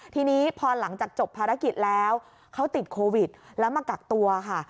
ทีนี้พอหลังจากจบภารกิจแล้วเขาติดโควิดแล้วมากักตัวค่ะ